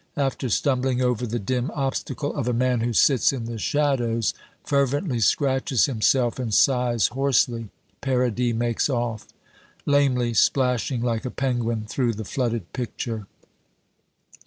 After stumbling over the dim obstacle of a man who sits in the shadows, fervently scratches himself and sighs hoarsely, Paradis makes off lamely splashing like a penguin through the flooded picture.